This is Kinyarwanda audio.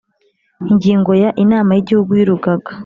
Ingingo ya inama y igihugu y urugaga